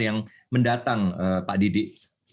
yang mendatang pak didik